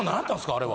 あれは。